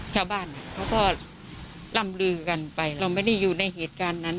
ชาวบ้านเขาก็ล่ำลือกันไปเราไม่ได้อยู่ในเหตุการณ์นั้น